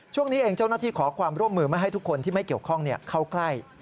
ช่วงนี้เองเจ้าหน้าที่ขอความร่วมมือไม่ให้ทุกคนที่ไม่เกี่ยวข้องเข้าใกล้